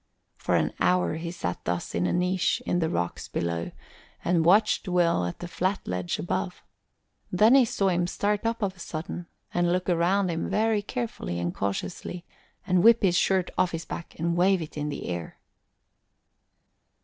For an hour he sat thus in a niche in the rocks below and watched Will on the flat ledge above; then he saw him start up of a sudden and look around him very carefully and cautiously, and whip his shirt off his back and wave it in the air.